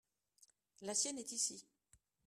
la sienne est ici.